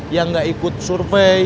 yang gak ikut survei